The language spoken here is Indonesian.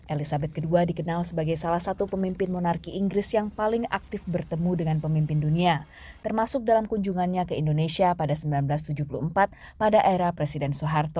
elizabeth ii dikenal sebagai salah satu pemimpin monarki inggris yang paling aktif bertemu dengan pemimpin dunia termasuk dalam kunjungannya ke indonesia pada seribu sembilan ratus tujuh puluh empat pada era presiden soeharto